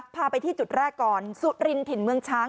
พาไปที่จุดแรกก่อนสุรินถิ่นเมืองช้าง